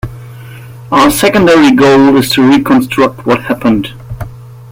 Our secondary goal is to reconstruct what happened.